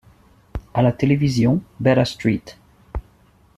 À la télévision, Betta St.